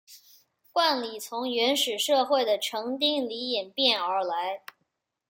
冠礼从原始社会的成丁礼演变而来。